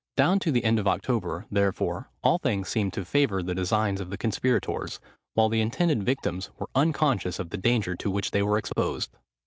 Down to the end of October, therefore, all things seemed to favour the designs of the conspirators, while the intended victims were unconscious of the danger to which they were exposed.